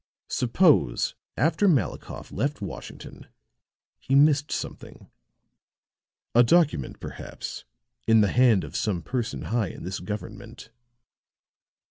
Suppose, after Malikoff left Washington, he missed something a document, perhaps, in the hand of some person high in this government.